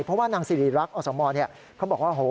เพราะว่านางสิริรักษ์อสมเขาบอกว่า